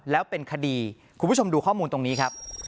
แล้วเป็นคดีคุณผู้ชมดูข้อมูลตรงนี้ครับ